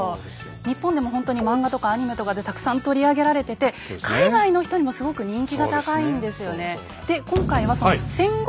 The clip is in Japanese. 日本でもほんとに漫画とかアニメとかでたくさん取り上げられてて海外の人にもすごく人気が高いんですよね。